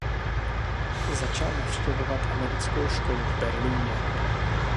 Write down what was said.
Začal navštěvovat Americkou školu v Berlíně.